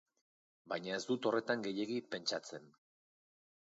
Baina ez dut horretan gehiegi pentsatzen.